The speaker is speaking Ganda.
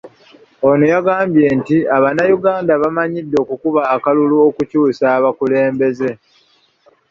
Ono yagambye nti Abanayuganda bamanyidde okukuba akalulu okukyusa abakulembeze.